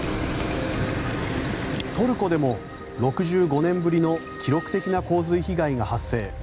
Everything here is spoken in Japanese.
トルコでも６５年ぶりの記録的な洪水被害が発生。